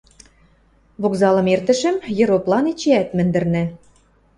Вокзалым эртӹшӹм, ероплан эчеӓт мӹндӹрнӹ.